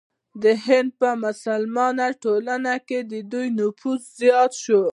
د هند په مسلمانه ټولنه کې د دوی نفوذ زیات شو.